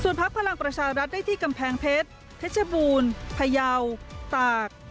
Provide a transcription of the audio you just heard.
พักพลังประชารัฐได้ที่กำแพงเพชรเพชรบูรณ์พยาวตาก